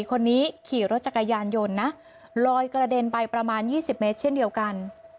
คนนี้ขี่รถจักรยานยนต์นะลอยกระเด็นไปประมาณ๒๐เมตรเช่นเดียวกัน